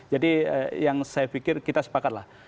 jadi yang saya pikir kita sepakatlah